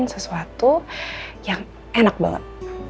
sesuatu yang enak banget